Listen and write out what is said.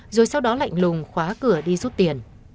rồi sau đó lạnh lùng khóa cửa đi rút tiền